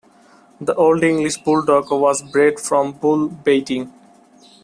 The Old English Bulldog was bred for bull-baiting.